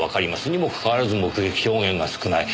にもかかわらず目撃証言が少ない。